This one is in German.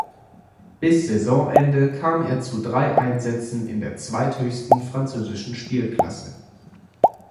Bis Saisonende kam er zu drei Einsätzen in der zweithöchsten französischen Spielklasse.